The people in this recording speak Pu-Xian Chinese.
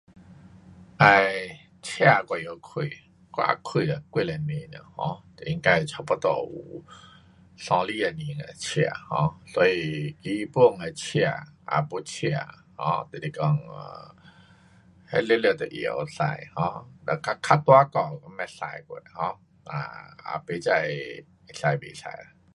哎，车我会晓开，我也开了几十年了，um 应该差不多有三四十年了，车 um，所以日本的车，啊噗车，你是讲，um 那全部都会晓驾，较大架没驾过，um 也不知可以不可。